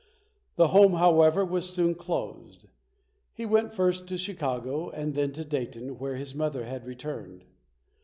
The home, however, was soon closed. He went first to Chicago and then to Dayton, where his mother had returned.